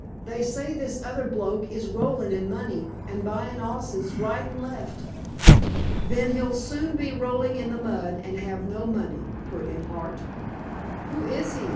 They say this other bloke is rollin' in money, an' buyin' hosses right an' left." "Then he'll soon be rolling in the mud, and have no money," put in Hart. "Who is he?"